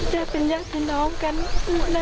จะเป็นยังพี่น้องกันนั่นลูกป่าว